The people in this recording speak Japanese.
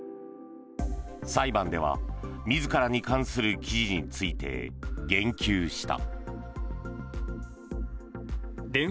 裁判では自らに関する記事について言及した。